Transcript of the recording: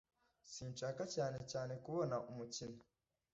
Sinshaka cyane cyane kubona umukino